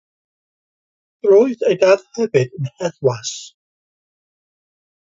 Roedd ei dad hefyd yn heddwas.